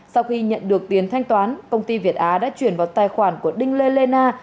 sau khi nhận được tiền thanh toán công ty việt á đã chuyển vào tài khoản của đinh lê lê na